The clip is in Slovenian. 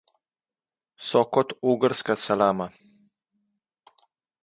So kot ogrska salama.